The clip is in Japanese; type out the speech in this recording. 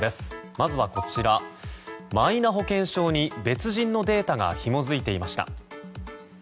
まずは、マイナ保険証に別人のデータがひも付いていました。